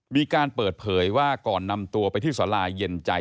มีการเปิดเผยว่าก่อนนำตัวไปที่สาราเย็นใจ